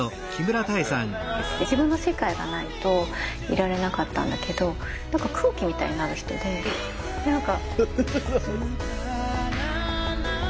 自分の世界がないといられなかったんだけど何か空気みたいになる人で何か。